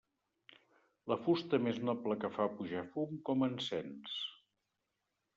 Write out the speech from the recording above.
La fusta més noble que fa pujar fum com encens.